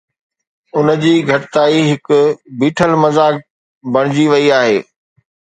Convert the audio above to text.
ان جي گهٽتائي هڪ بيٺل مذاق بڻجي وئي آهي